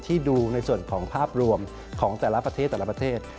ที่ดูในส่วนของภาพรวมของแต่ละประเทศ